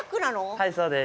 はい、そうです。